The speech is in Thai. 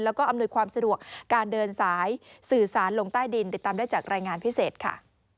แล้วก็อำนวยความสะดวกการเดินสายสื่อสารลงใต้ดินติดตามได้จากรายงานพิเศษค่ะ